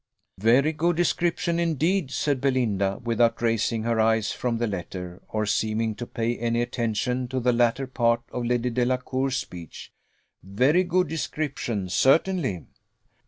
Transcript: "Very good description, indeed!" said Belinda, without raising her eyes from the letter, or seeming to pay any attention to the latter part of Lady Delacour's speech; "very good description, certainly!"